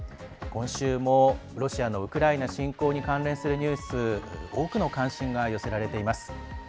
今週もロシアのウクライナ侵攻に関連するニュース多くの関心が寄せられています。